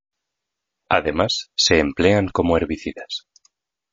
Además se emplean como herbicidas.